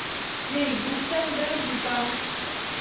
Jejich vůdcem byl župan.